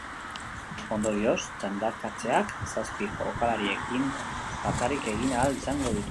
Ondorioz, txandakatzeak zazpi jokalarirekin bakarrik egin ahal izango ditu.